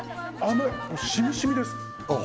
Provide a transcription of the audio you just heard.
しみしみですあっ